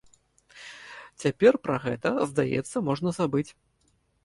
Цяпер пра гэта, здаецца, можна забыць.